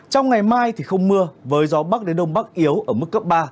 trong ngày mai thì không mưa với gió bắc đến đông bắc yếu ở mức cấp ba